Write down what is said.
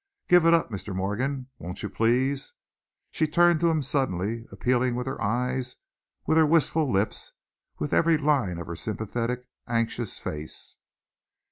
Give it up, Mr. Morgan, won't you, please?" She turned to him suddenly, appealing with her eyes, with her wistful lips, with every line of her sympathetic, anxious face.